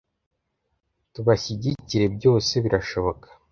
tubashyigikire byose birashoboka”